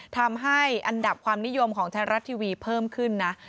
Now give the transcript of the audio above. ทำให้อันดับความนิยมของไทยรัฐทีวีเพิ่มขึ้นนะ